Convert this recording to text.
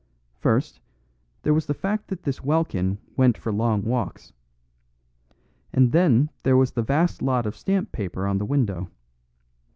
First, there was the fact that this Welkin went for long walks. And then there was the vast lot of stamp paper on the window.